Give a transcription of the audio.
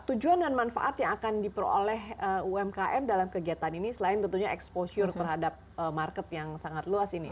tujuan dan manfaat yang akan diperoleh umkm dalam kegiatan ini selain tentunya exposure terhadap market yang sangat luas ini